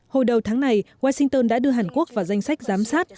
hồi đầu tháng này washington đã đưa hàn quốc vào danh sách giám sát